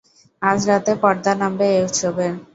আজ রাতে পর্দা নামবে এ উৎসবের।